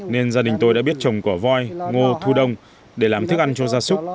nên gia đình tôi đã biết trồng cỏ voi ngô thu đông để làm thức ăn cho gia súc